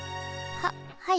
ははい。